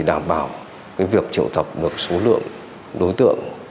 đảm bảo việc triệu thập được số lượng đối tượng